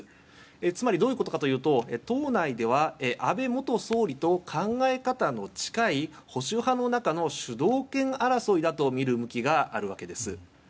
つまり、どういうことかというと党内では安倍元総理と考え方の近い保守派の中の主導権争いだと見る向きがあるわけです。